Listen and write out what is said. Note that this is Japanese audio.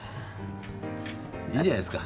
いいじゃないですか。